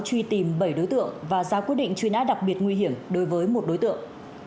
truy tìm bảy đối tượng và ra quyết định truy nã đặc biệt nguy hiểm đối với một đối tượng